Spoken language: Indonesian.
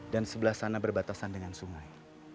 dan sebelah sana berbatasan dengan sungai